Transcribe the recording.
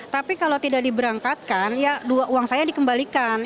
tapi kalau tidak diberangkatkan ya uang saya dikembalikan